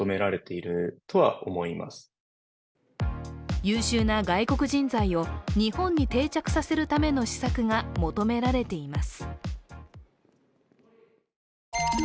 優秀な外国人材を日本に定着させるための施策が求められています。